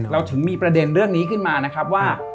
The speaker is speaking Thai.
เราถึงมีประเด็นเรื่องนี้ขึ้นมานะครับว่า